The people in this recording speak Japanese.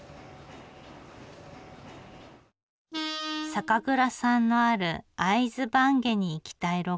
酒蔵さんのある会津坂下に行きたい六角さん。